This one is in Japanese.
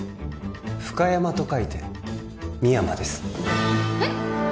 フカヤマと書いて深山ですえっ？